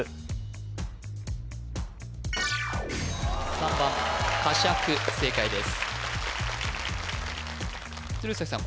３番かしゃく正解です鶴崎さん